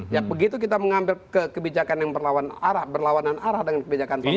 ya begitu kita mengambil kebijakan yang berlawanan arah dengan kebijakan pemerintah